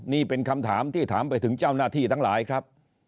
นี่เป็นคำถามที่ถามไปถึงเจ้าหน้าที่ทั้งหลายครับ